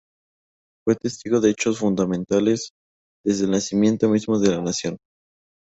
Fue testigo de hechos fundamentales, desde el nacimiento mismo de la nación.